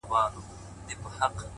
د هغې خوله ، شونډي ، پېزوان او زنـي~